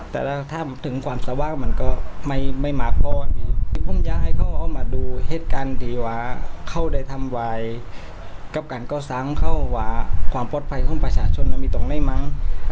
ได้ทำวัยกับการสร้างมือเขาว่าความปลอดภัยของประชาชนมันมีตรงไหนมั้ง